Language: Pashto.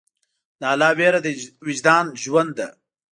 د الله ویره د وجدان ژوند ده.